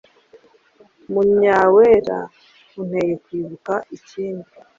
Munyawera: Unteye kwibuka n’ikindi.